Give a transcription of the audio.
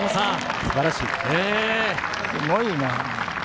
すごいな。